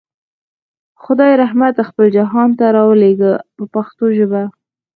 خدای رحمت خپل جهان ته راولېږه په پښتو ژبه.